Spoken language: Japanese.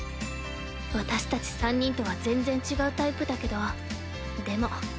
私たち３人とは全然違うタイプだけどでも。